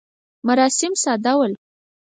مراسم ساده ول.